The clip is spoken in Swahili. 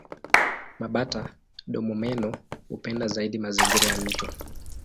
Mabata-domomeno hupenda zaidi mazingira ya mito.